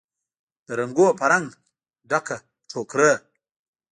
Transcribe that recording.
د رنګونوپه رنګ، ډکه ټوکرۍ